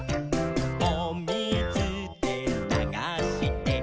「おみずでながして」